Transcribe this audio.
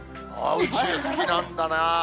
宇宙好きなんだなぁ。